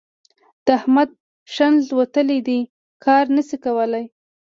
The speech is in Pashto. د احمد ښنځ وتلي دي؛ کار نه شي کولای.